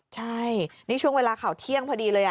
ใช่นี่ช่วงเวลาข่าวเที่ยงพอดีเลย